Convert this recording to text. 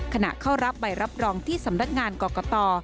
เข้ารับใบรับรองที่สำนักงานกรกต